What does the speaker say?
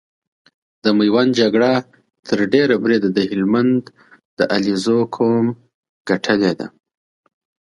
د ميوند جګړه تر ډېره بريده د هلمند د عليزو قوم ګټلې ده۔